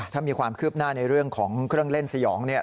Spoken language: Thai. ถ้ามีความคืบหน้าในเรื่องของเครื่องเล่นสยอง